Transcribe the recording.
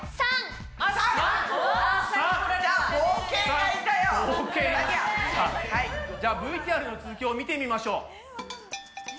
さあじゃあＶＴＲの続きを見てみましょう。